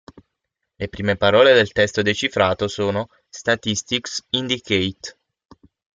Le prime parole del testo decifrato sono: "statistics indicate".